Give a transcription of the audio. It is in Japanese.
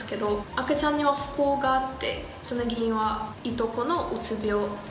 赤ちゃんには不幸があってその原因はいとこのうつ病でした。